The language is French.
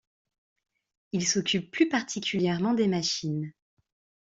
Il s'occupe plus particulièrement des machines.